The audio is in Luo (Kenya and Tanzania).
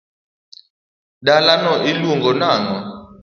dalano iluongo nang'o?